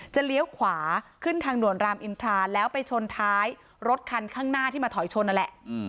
เลี้ยวขวาขึ้นทางด่วนรามอินทราแล้วไปชนท้ายรถคันข้างหน้าที่มาถอยชนนั่นแหละ